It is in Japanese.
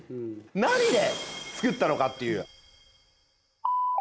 何で作ったのかっていう。